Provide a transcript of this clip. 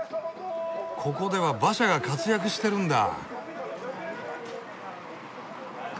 ここでは馬車が活躍してるんだ。